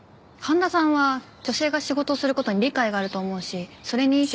神田さんは女性が仕事をする事に理解があると思うしそれに。